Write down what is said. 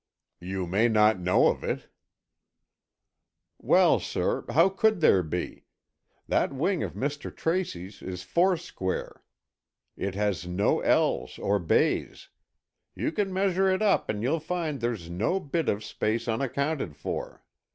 "You may not know of it." "Well, sir, how could there be? That wing of Mr. Tracy's is foursquare. It has no L's or bays. You can measure it up and you'll find there's no bit of space unaccounted for.